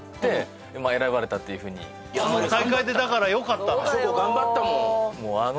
大会出たからよかったんだ